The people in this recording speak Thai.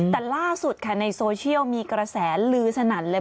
แต่ล่าสุดค่ะในโซเชียลมีกระแสลือสนั่นเลย